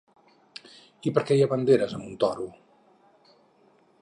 I per què hi ha banderes amb un toro?